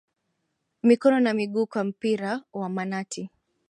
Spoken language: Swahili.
mikono na miguu kwa mpira wa manati